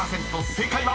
正解は⁉］